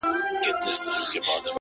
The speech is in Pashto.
په دې حالاتو کي خو دا کيږي هغه .نه کيږي.